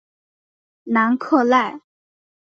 南克赖。